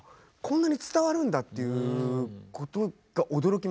こんなに伝わるんだっていうことが驚きました。